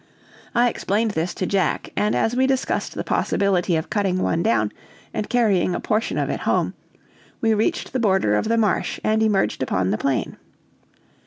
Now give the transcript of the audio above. I explained this to Jack, and as we discussed the possibility of cutting one down and carrying a portion of it home, we reached the border of the marsh, and emerged upon the plain.